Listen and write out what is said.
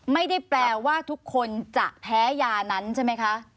ไม่ได้แปลว่าทุกคนจะแพ้ยานั้นใช่ไหมคะ